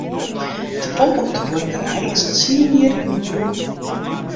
De pomp op de buorkerij is al tsien jier yn gebrûk.